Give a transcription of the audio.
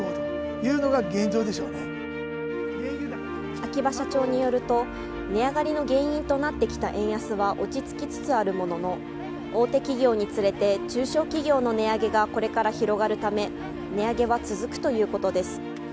秋葉社長によると、値上がりの原因となってきた円安は落ち着きつつあるものの大手企業につれて中小企業の値上げがこれから広がるため値上げは続くということです。